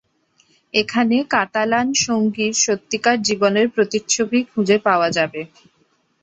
এখানে কাতালান সঙ্গীর সত্যিকার জীবনের প্রতিচ্ছবি খুঁজে পাওয়া যাবে।